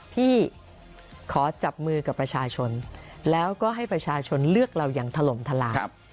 พี่ขอจับมือกับประชาชนแล้วก็ให้ประชาชนเลือกเราอย่างถล่มทลาย